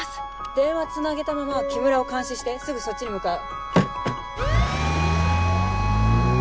電話つなげたまま木村を監視してすぐそっちに向かう。